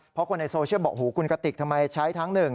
เพราะคนในโซเชียลบอกหูคุณกติกทำไมใช้ทั้งหนึ่ง